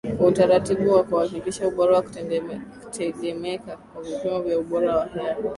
kwa utaratibu wa kuhakikisha ubora na kutegemeka kwa vipimo vya ubora wa hewa